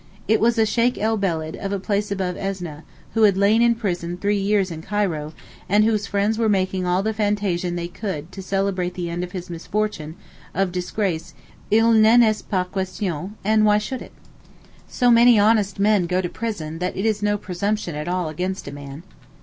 It was a Sheykh el Beled, of a place above Esneb, who had lain in prison three years in Cairo, and whose friends were making all the fantasia they could to celebrate the end of his misfortune, of disgrace, il n'en est pas question; and why should it? So many honest men go to prison that it is no presumption at all against a man.